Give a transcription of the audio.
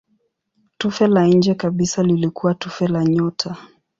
Tufe la nje kabisa lilikuwa tufe la nyota.